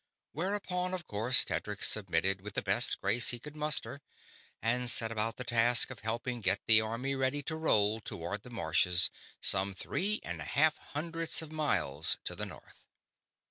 Whereupon, of course, Tedric submitted with the best grace he could muster and set about the task of helping get the army ready to roll toward the Marches, some three and a half hundreds of miles to the north.